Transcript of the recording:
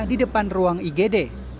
di depan ruang igd